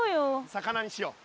魚にしよう。